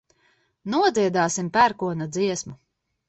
Nodziedāsim pērkona dziesmu.